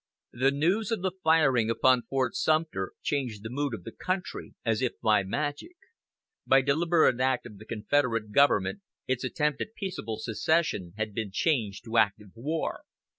The news of the firing upon Fort Sumter changed the mood of the country as if by magic. By deliberate act of the Confederate government its attempt at peaceable secession had been changed to active war.